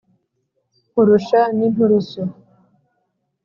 Nkurusha n'inturusu